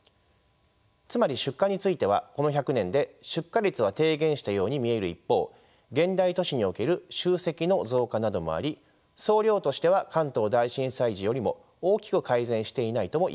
つまり出火についてはこの１００年で出火率は低減したように見える一方現代都市における集積の増加などもあり総量としては関東大震災時よりも大きく改善していないともいえます。